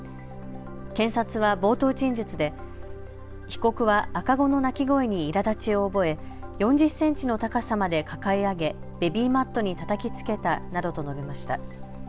検察は冒頭陳述で被告は赤子の泣き声にいらだちを覚え４０センチの高さまで抱え上げベビーマットにたたきつけたなどと述べました。